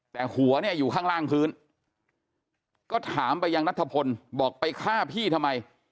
แต่หัวเนี่ยอยู่ข้างล่างพื้นก็ถามไปยังนัทพลบอกไปฆ่าพี่ทำไม